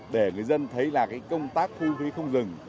để người dân thấy là công tác thu phí không dừng